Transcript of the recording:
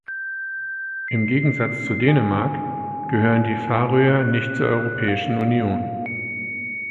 Im Gegensatz zu Dänemark gehören die Färöer nicht zur Europäischen Union.